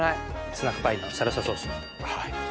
スナックパインのサルサソース。